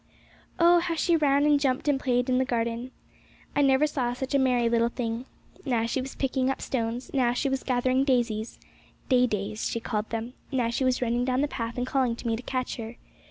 Oh! how she ran, and jumped, and played in the garden. I never saw such a merry little thing. Now she was picking up stones, now she was gathering daisies ('day days, she called them), now she was running down the path and calling to me to catch her.